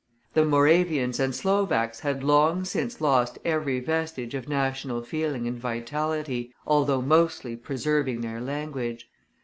The Moravians and Slovaks had long since lost every vestige of national feeling and vitality, although mostly preserving their language.